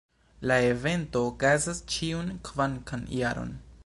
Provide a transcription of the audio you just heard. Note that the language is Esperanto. La evento okazas ĉiun kvaran jaron.